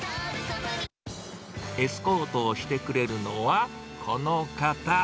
エスコートをしてくれるのは、この方。